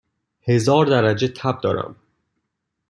هزار درجه تب دارم